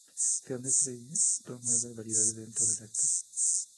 Se han descrito nueve variedades dentro de la especie.